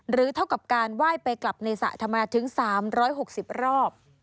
เท่ากับการไหว้ไปกลับในสระธรรมดาถึง๓๖๐รอบ